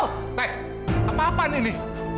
nek apa apaan ini